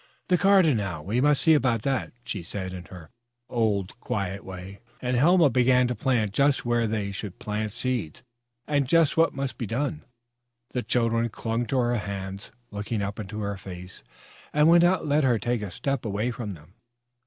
"The garden now, we must see about that," she said in her old quiet way. Then they went out into the garden, and Helma began to plan just where there should plant seeds and just what must be done. The children clung to her hands, looking up into her face, and would not let her take a step away from them.